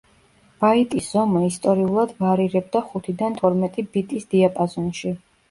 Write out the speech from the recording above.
ბაიტის ზომა ისტორიულად ვარირებდა ხუთიდან თორმეტი ბიტის დიაპაზონში.